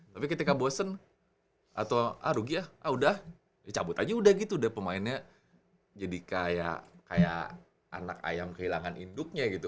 tapi ketika bosen atau ah rugi ya ah udah dicabut aja udah gitu deh pemainnya jadi kayak anak ayam kehilangan induknya gitu